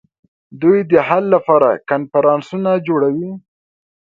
دوی د حل لپاره کنفرانسونه جوړوي